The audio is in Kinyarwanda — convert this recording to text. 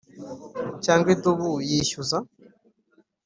cyangwa idubu yishyuza